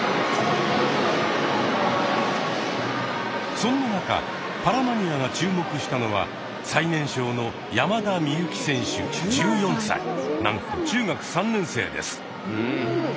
そんな中「パラマニア」が注目したのは最年少のなんと中学３年生です。